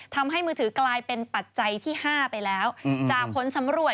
ทำให้มือถือกลายเป็นปัจจัยที่ห้าไปแล้วอือออ